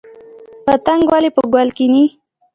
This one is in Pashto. پتنګ ولې په ګل کیني؟